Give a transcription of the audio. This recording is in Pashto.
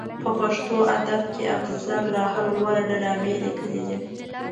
په پښتو ادب کې افضل راحل غوره ډرامې لیکلې دي.